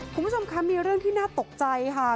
คุณผู้ชมคะมีเรื่องที่น่าตกใจค่ะ